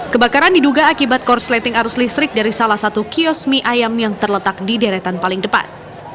kebakaran diduga akibat korsleting arus listrik dari salah satu kios mie ayam yang terletak di deretan paling depan